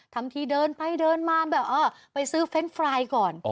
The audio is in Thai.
ทั้งทีเดินไปเดินมาแบบไปซื้อเฟนต์ฟรายก่อน